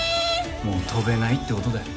もう飛べないって事だよ。